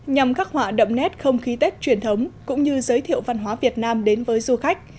nhằm khắc họa đậm nét không khí tết truyền thống cũng như giới thiệu văn hóa việt nam đến với du khách